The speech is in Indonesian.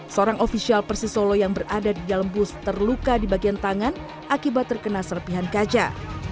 seorang ofisial persisolo yang berada di dalam bus terluka di bagian tangan akibat terkena serpihan kaca